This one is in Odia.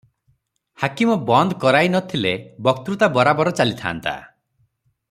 ହାକିମ ବନ୍ଦ କରାଇ ନ ଥିଲେ ବତ୍କୃତା ବରାବର ଚାଲିଥାନ୍ତା ।